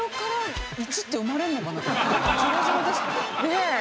ねえ。